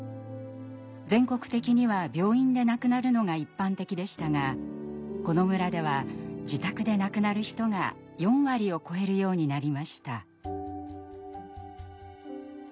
全国的には病院で亡くなるのが一般的でしたがこの村では自宅で亡くなる人が４割を超えるようになりました。